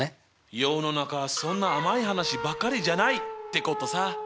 世の中そんな甘い話ばかりじゃない！ってことさ。